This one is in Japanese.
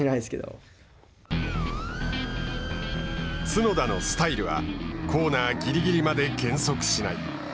角田のスタイルはコーナーぎりぎりまで減速しない。